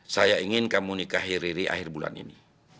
saya ingin kamu nikah hiri hiri akhir bulan ini